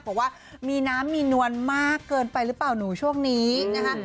บอกว่ามีน้ำมีนวลมากเกินไปหรือเปล่าหนูช่วงนี้นะคะ